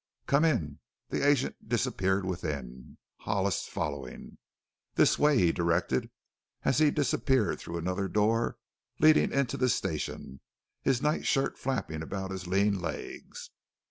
"Come in." The agent disappeared within, Hollis following. "This way," he directed, as he disappeared through another door leading into the station, his night shirt flapping about his lean legs.